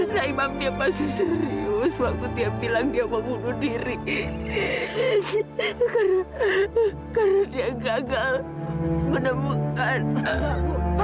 sampai jumpa di video selanjutnya